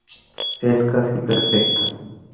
Es casi perfecta".